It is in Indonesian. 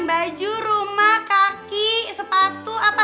baju rumah kaki sepatu apa